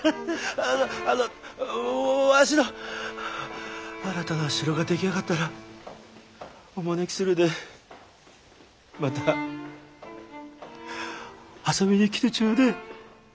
ああのわしの新たな城が出来上がったらお招きするでまた遊びに来てちょでえ。